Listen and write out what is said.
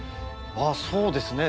そうですね。